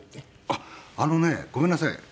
あっあのねごめんなさい。